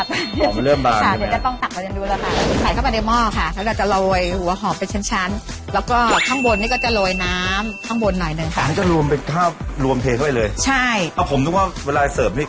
นี่อันนี้ได้แล้วนะคะมันตากกให้ไง๑๒๘๐๐